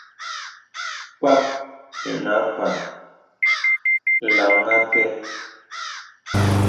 Kpap ìnə àpan làŋ àpɛ.